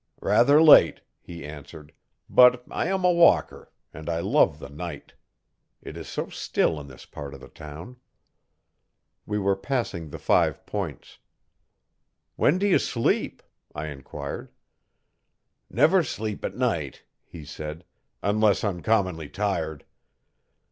'Rather late,' he answered, 'but I am a walker, and I love the night. It is so still in this part of the town.' We were passing the Five Points. 'When do you sleep,' I enquired. 'Never sleep at night,' he said, 'unless uncommonly tired.